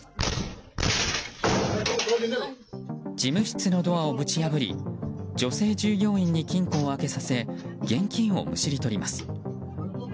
事務室のドアをぶち破り女性従業員に金庫を開けさせ現金をむしり取ります。